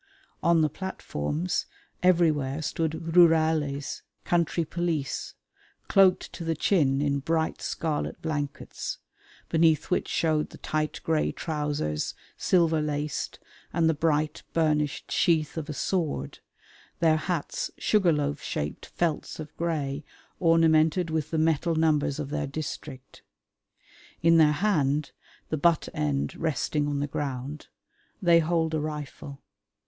On the platforms everywhere stood rurales country police cloaked to the chin in bright scarlet blankets, beneath which showed the tight grey trousers, silver laced, and the bright, burnished sheath of a sword, their hats sugar loaf shaped felts of grey ornamented with the metal numbers of their district. In their hand, the butt end resting on the ground, they hold a rifle.